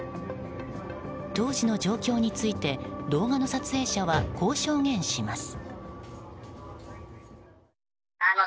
当時の状況について動画の撮影者はこう証言します。